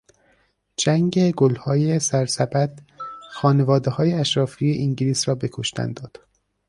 جنگ گلهای سرسبد خانوادههای اشرافی انگلیس را به کشتن داد.